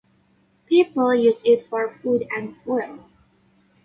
People use it for food and fuel.